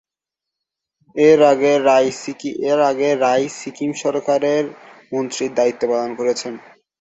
এর আগে রাই সিকিম সরকারের মন্ত্রীর দায়িত্ব পালন করেছেন।